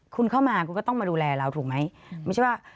คุณเข้ามาคุณก็ต้องมาดูแลเราถูกไหม